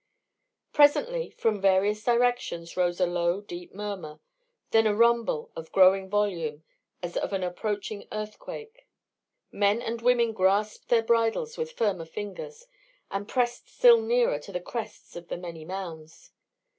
Presently, from various directions rose a low deep murmur, then a rumble of growing volume as of an approaching earthquake. Men and women grasped their bridles with firmer fingers, and pressed still nearer to the crests of the many mounds.